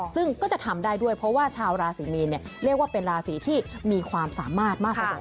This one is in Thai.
ซึ่งก็จะทำได้ด้วยเพราะว่าชาวราศีมีนเรียกว่าเป็นราศีที่มีความสามารถมากที่สุด